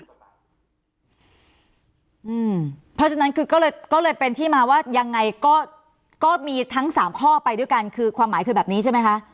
เพราะฉะนั้นคือก็เลยเป็นที่มาว่ายังไงก็มีทั้ง๓ข้อไปด้วยกันคือความหมายคือแบบนี้ใช่ไหมคะ